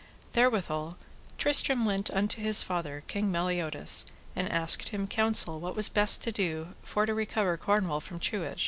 Therewithal Tristram went unto his father, King Meliodas, and asked him counsel what was best to do for to recover Cornwall from truage.